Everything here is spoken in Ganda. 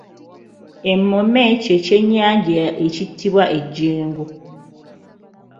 Emmome kye ky’ennyanja ekittibwa ejjengo.